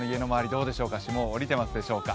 どうでしょうか霜は降りているでしょうか。